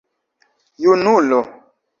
Junulo!